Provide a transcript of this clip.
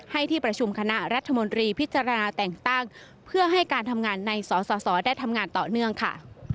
ที่ประชุมคณะรัฐมนตรีพิจารณาแต่งตั้งเพื่อให้การทำงานในสสได้ทำงานต่อเนื่องค่ะ